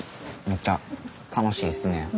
めっちゃ楽しいですね。